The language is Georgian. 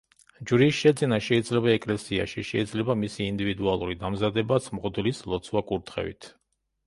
ჯვრის შეძენა შეიძლება ეკლესიაში; შეიძლება მისი ინდივიდუალური დამზადებაც მღვდლის ლოცვა-კურთხევით.